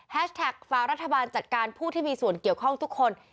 แท็กฝากรัฐบาลจัดการผู้ที่มีส่วนเกี่ยวข้องทุกคน